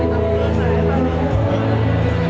สวัสดีสวัสดี